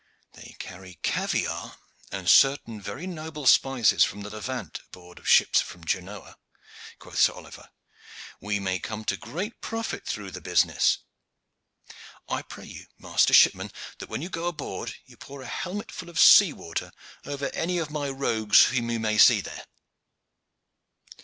"They carry caviare and certain very noble spices from the Levant aboard of ships from Genoa," quoth Sir Oliver. "We may come to great profit through the business. I pray you, master shipman, that when you go on board you pour a helmetful of sea water over any of my rogues whom you may see there."